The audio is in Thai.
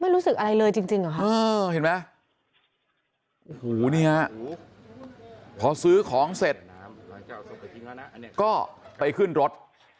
ไม่รู้สึกอะไรเลยจริงเห็นไหมพอซื้อของเสร็จก็ไปขึ้นรถ